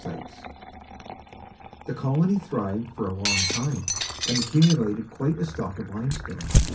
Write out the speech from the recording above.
The colony thrived for a long time, and accumulated quite a stock of limestone.